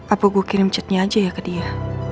apa gue kirim chatnya aja ya ke dia